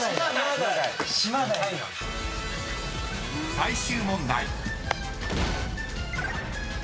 ［最終問題］